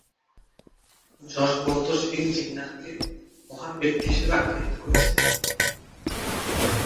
যশবন্ত সিং জিন্নাহকে "মহান ব্যক্তি" হিসেবে আখ্যায়িত করেছেন।